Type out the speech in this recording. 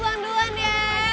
buang duluan ya